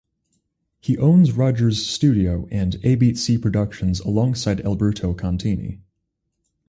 He owns Rodgers Studio and A-Beat C Productions alongside Alberto Contini.